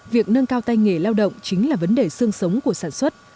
việc nâng cao tay nghề lao động chính là vấn đề xương sống của sản xuất